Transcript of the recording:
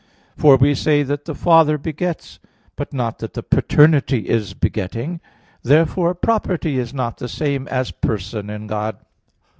For we say that the Father begets; but not that the paternity is begetting. Therefore property is not the same as person in God.